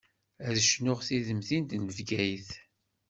Ad tecnu di temdint n Bgayet.